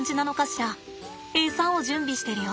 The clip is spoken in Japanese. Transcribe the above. エサを準備してるよ。